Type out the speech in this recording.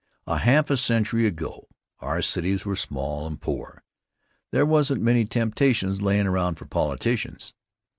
A half a century ago, our cities were small and poor. There wasn't many temptations lyin' around for politicians.